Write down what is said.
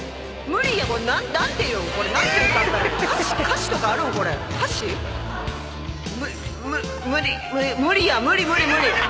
無理無理無理！